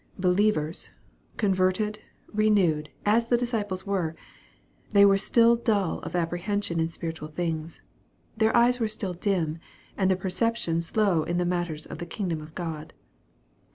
Believers, converted, renewed, as the disciples were, they were still dull of apprehension in spiritual things. Their eyes were still dim, and their perception slow in the matters of the kingdom of God.